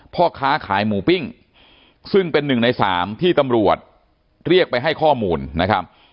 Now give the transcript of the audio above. พ่อค้าขายหมูปิ้งซึ่งเป็นหนึ่งในสามที่ตำรวจเรียกไปให้ข้อมูลนะครับ